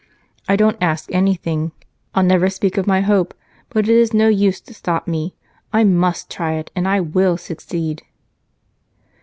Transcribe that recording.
I don't ask anything I'll never speak of my hope, but it is no use to stop me. I must try it, and I will succeed!"